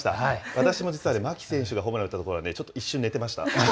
私も実は牧選手がホームラン打ったところは、ちょっと一瞬寝てました。